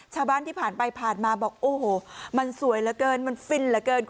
ชาวบ้านที่ผ่านไปผ่านมาบอกโอ้โหมันสวยเหลือเกินมันฟินเหลือเกิน